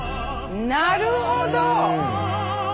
なるほど。